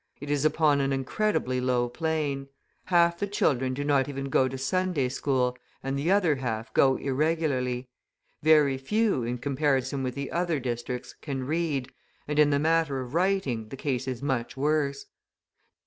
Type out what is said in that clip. It is upon an incredibly low plane; half the children do not even go to Sunday school, and the other half go irregularly; very few, in comparison with the other districts, can read, and in the matter of writing the case is much worse.